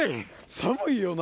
寒いよな。